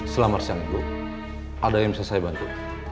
selamat siang ibu ada yang bisa saya bantu